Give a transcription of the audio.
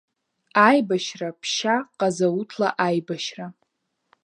Аибашьра ԥшьа, ҟазауҭла аибашьра.